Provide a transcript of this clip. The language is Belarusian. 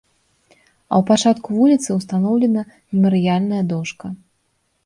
А ў пачатку вуліцы ўстаноўлена мемарыяльная дошка.